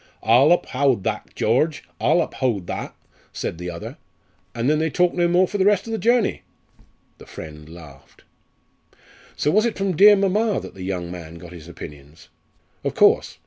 'I'll uphowd tha, George! I'll uphowd tha!' said the other, and then they talked no more for the rest of the journey." The friend laughed. "So it was from the dear mamma that the young man got his opinions?" "Of course.